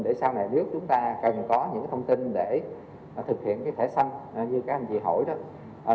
để sau này nếu chúng ta cần có những thông tin để thực hiện cái thẻ xanh như các anh chị hỏi đó